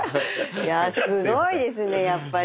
いやすごいですねやっぱり。